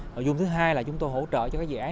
nội dung thứ hai là chúng tôi hỗ trợ cho các dự án